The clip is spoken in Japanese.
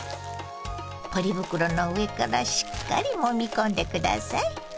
ポリ袋の上からしっかりもみ込んで下さい。